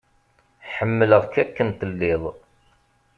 Ḥemmleɣ-k akken tellid.